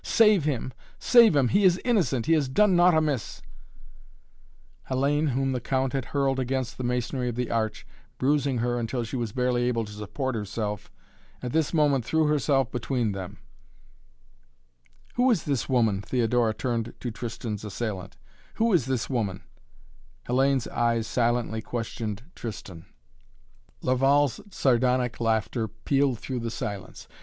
"Save him! Save him! He is innocent! He has done naught amiss!" Hellayne, whom the Count had hurled against the masonry of the arch, bruising her until she was barely able to support herself, at this moment threw herself between them. [Illustration: "Thrown her saffron scarf over the prostrate youth"] "Who is this woman?" Theodora turned to Tristan's assailant. "Who is this woman?" Hellayne's eyes silently questioned Tristan. Laval's sardonic laughter pealed through the silence.